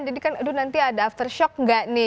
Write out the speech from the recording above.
jadi kan aduh nanti ada aftershock gak nih